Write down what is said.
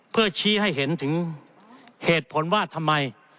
เพื่อชี้ให้เห็นถึงเหตุผลว่าทำไม